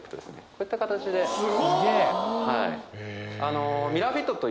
こういった形でスゴっ！